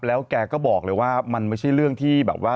แล้วแกก็บอกเลยว่ามันไม่ใช่เรื่องที่แบบว่า